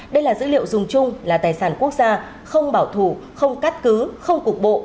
đây là dữ liệu dùng chung là tài sản quốc gia không bảo thủ không cắt cứ không cục bộ